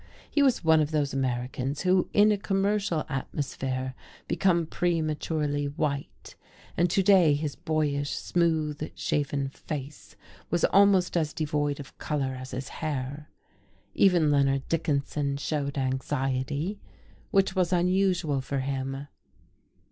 He was one of those Americans who in a commercial atmosphere become prematurely white, and today his boyish, smooth shaven face was almost as devoid of colour as his hair. Even Leonard Dickinson showed anxiety, which was unusual for him.